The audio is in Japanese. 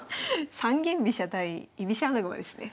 三間飛車対居飛車穴熊ですね。